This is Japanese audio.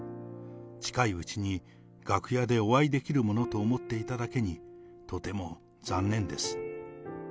近いうちに楽屋でお会いできるものと思っていただけに、とても残念です。